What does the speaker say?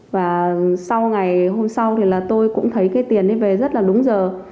và sau ngày hôm sau thì là tôi cũng thấy cái tiền ấy về rất là đúng giờ